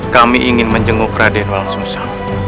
kami ingin menjenguk raden walang sungsa